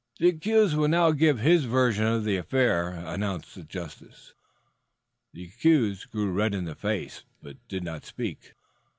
"The accused will now give his version of the affair," announced the justice. The accused grew red in the face, but did not speak.